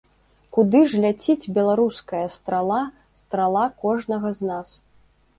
Куды ж ляціць беларуская страла, страла кожнага з нас?